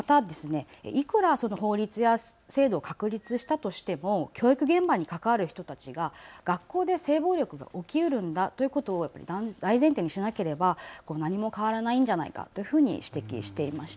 またいくら法律や制度を確立したとしても教育現場に関わる人たちが学校で性暴力のが起きうるだということを大前提にしなければ何も変わらないんじゃないかというふうに指摘していました。